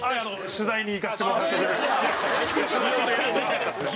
取材に行かせてもらって。